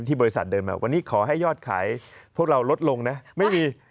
บริษัทเดินมาวันนี้ขอให้ยอดขายพวกเราลดลงนะไม่มี